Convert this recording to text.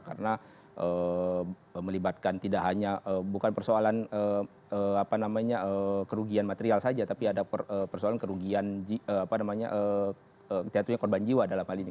karena melibatkan tidak hanya bukan persoalan apa namanya kerugian material saja tapi ada persoalan kerugian apa namanya jatuhnya korban jiwa dalam hal ini